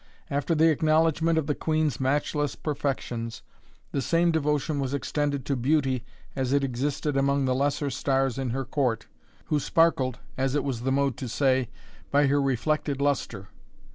After the acknowledgment of the Queen's matchless perfections, the same devotion was extended to beauty as it existed among the lesser stars in her court, who sparkled, as it was the mode to say, by her reflected lustre.